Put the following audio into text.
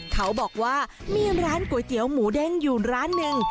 เขาบอกว่ามีร้านก๋วยเตี๋ยวหมูเด้งอยู่ร้านหนึ่ง